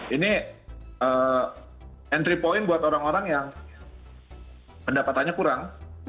ini entry point buat orang orang yang pendapatannya kurang